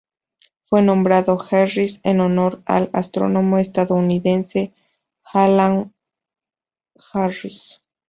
Fue nombrado Harris en honor al astrónomo estadounidense Alan W. Harris.